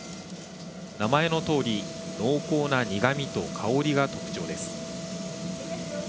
名前のとおり濃厚な苦味と香りが特徴です。